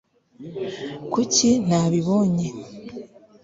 kuki ntabibonye